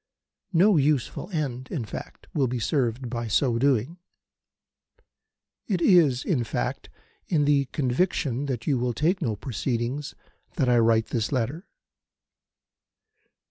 No useful end, in fact, will be served in so doing. It is, in fact, in the conviction that you will take no proceedings that I write this letter.